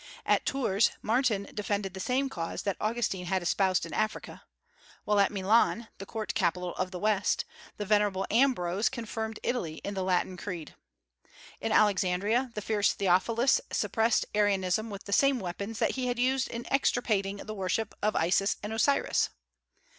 At Tours Martin defended the same cause that Augustine had espoused in Africa; while at Milan, the court capital of the West, the venerable Ambrose confirmed Italy in the Latin creed. In Alexandria the fierce Theophilus suppressed Arianism with the same weapons that he had used in extirpating the worship of Isis and Osiris.